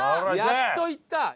やっといった！